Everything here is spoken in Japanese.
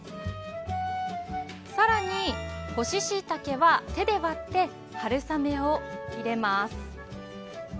さらに、干ししいたけは手で割って、春雨を入れます。